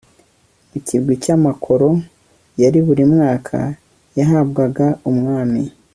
mu kigwi cy'amakoro ya buri mwaka yahabwaga umwami